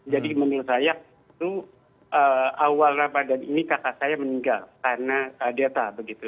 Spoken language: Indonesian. jadi menurut saya itu awal ramadan ini kakak saya meninggal karena delta